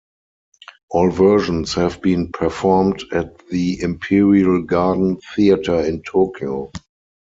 All versions have been performed at the Imperial Garden Theater in Tokyo.